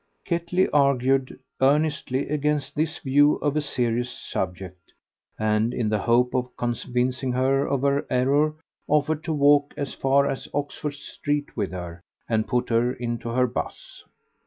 Ketley argued earnestly against this view of a serious subject, and in the hope of convincing her of her error offered to walk as far as Oxford Street with her and put her into her 'bus.